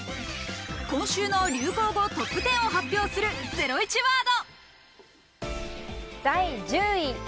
今週の流行語トップ１０を発表するゼロイチワード！